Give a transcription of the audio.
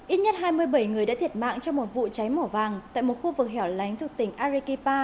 ít nhất hai mươi bảy người đã thiệt mạng trong một vụ cháy mỏ vàng tại một khu vực hẻo lánh thuộc tỉnh arikip